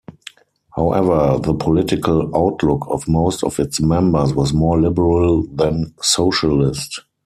However, the political outlook of most of its members was more liberal than socialist.